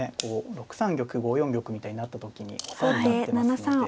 ６三玉５四玉みたいになった時に抑えになってますので。